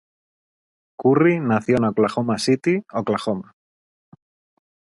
Currie nació en Oklahoma City, Oklahoma.